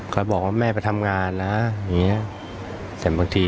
ก็บอกว่าแม่ไปทำงานนะอย่างนี้